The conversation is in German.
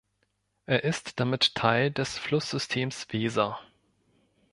Er ist damit Teil des Flusssystems Weser.